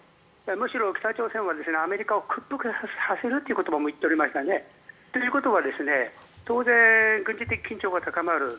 むしろ北朝鮮はアメリカを屈服させるということも言っておりましたのでということは当然、軍事的緊張が高まる。